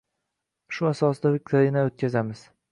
Shu asosida viktorinalar o‘tkazamiz.